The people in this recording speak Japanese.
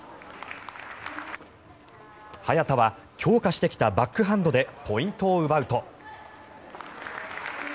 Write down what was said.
早田は強化してきたバックハンドでポイントを奪うと。